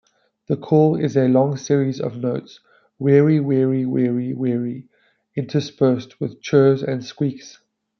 The call is a long series of notes, "weary-weary-weary-weary", interspersed with churrs and squeaks.